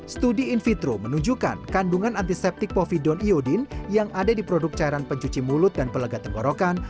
studi in vitro menunjukkan kandungan antiseptik povidon iodin yang ada di produk cairan pencuci mulut dan pelega tenggorokan